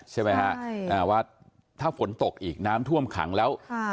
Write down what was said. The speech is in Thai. ใช่ไหมฮะใช่อ่าว่าถ้าฝนตกอีกน้ำท่วมขังแล้ว